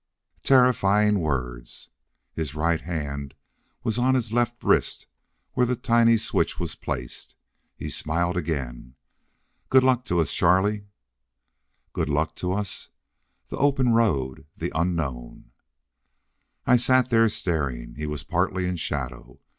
Terrifying words! His right hand was on his left wrist where the tiny switch was placed. He smiled again. "Good luck to us, Charlie!" Good luck to us! The open road, the unknown! I sat there staring. He was partly in shadow.